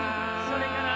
「それから」